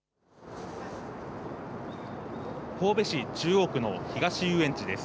神戸市中央区の東遊園地です。